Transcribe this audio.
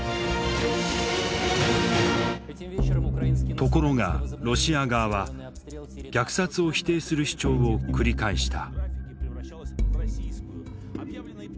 ところがロシア側は虐殺を否定する主張を繰り返した。